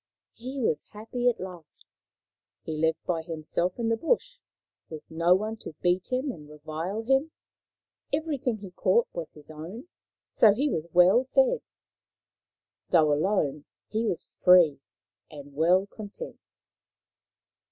He was happy at last. He lived by himself in the bush, with no one to beat him and revile him. Everything he caught was his own, so he was well fed. Though alone, he was free, and well content.